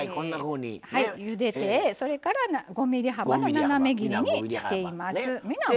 ゆでて、それから５ｍｍ幅の斜め切りにしています。